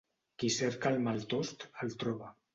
Qui cerca el mal tost el troba.